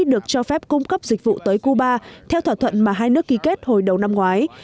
được cho phép cung cấp dịch vụ tới cuba theo thỏa thuận mà hai nước ký kết hồi đầu năm ngoái